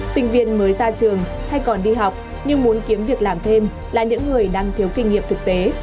sinh viên mới ra trường hay còn đi học nhưng muốn kiếm việc làm thêm là những người đang thiếu kinh nghiệm thực tế